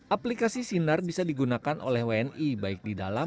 aplikasi sinar bisa digunakan oleh wni baik di dalam